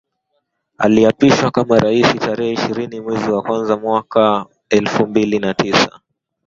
Aliapishwa kama raisi tarehe ishirini mwezi wa kwanza mwaka elfu mbili na tisa